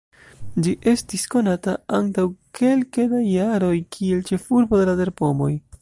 Ĝi estis konata antaŭ kelke da jaroj kiel "ĉefurbo de la terpomoj".